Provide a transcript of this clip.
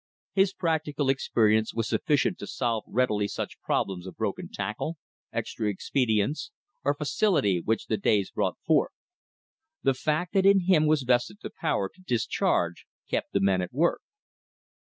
His practical experience was sufficient to solve readily such problems of broken tackle, extra expedients, or facility which the days brought forth. The fact that in him was vested the power to discharge kept the men at work.